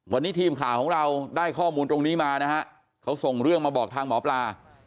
วันนี้ทีมข่าวของเราได้ข้อมูลตรงนี้มานะฮะเขาส่งเรื่องมาบอกทางหมอปลา